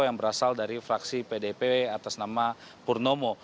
yang berasal dari fraksi pdp atas nama purnomo